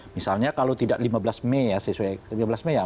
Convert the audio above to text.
misalnya kalau tidak lima belas mei